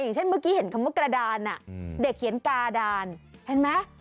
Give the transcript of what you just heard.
อย่างเช่นเมื่อกี้เห็นคำว่ากระดานเด็กเขียนกาดานเห็นไหม